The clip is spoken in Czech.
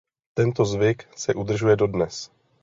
Tento zvyk se udržuje dodnes.